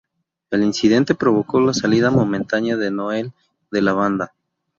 El incidente provocó la salida momentánea de Noel de la banda.